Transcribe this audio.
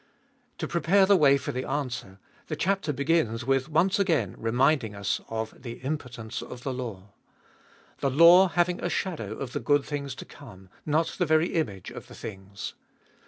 To prepare the way for the answer, the chapter begins with once again reminding us of the impotence of the law. The law having a shadow of the good things to come, not the very image of the things.